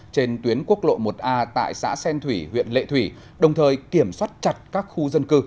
trên tuyến quốc lộ một a tại xã xen thủy huyện lệ thủy đồng thời kiểm soát chặt các khu dân cư